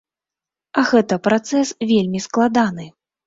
А гэта працэс вельмі складаны.